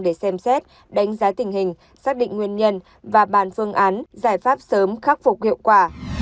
để xem xét đánh giá tình hình xác định nguyên nhân và bàn phương án giải pháp sớm khắc phục hiệu quả